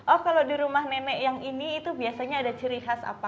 oh kalau di rumah nenek yang ini itu biasanya ada ciri khas apa